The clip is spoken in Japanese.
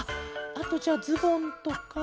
あとじゃあズボンとか。